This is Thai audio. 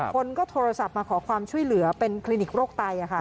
คนก็โทรศัพท์มาขอความช่วยเหลือเป็นคลินิกโรคไต